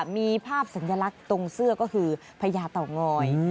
มีภาพสัญลักษณ์ตรงเสื้อก็คือพญาเต่างอย